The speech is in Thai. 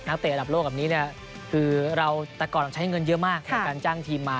นักเตะระดับโลกแบบนี้คือเราก็ใช้เงินเยอะมากในการจ้างทีมมา